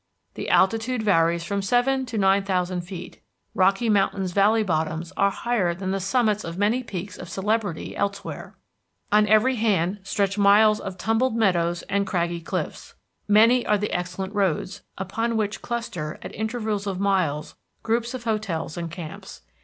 The altitude varies from seven to nine thousand feet; Rocky Mountain's valley bottoms are higher than the summits of many peaks of celebrity elsewhere. On every hand stretch miles of tumbled meadows and craggy cliffs. Many are the excellent roads, upon which cluster, at intervals of miles, groups of hotels and camps.